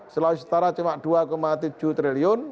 sulawesi utara cuma dua tujuh triliun